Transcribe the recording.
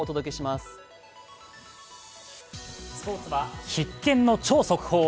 スポーツは必見の超速報。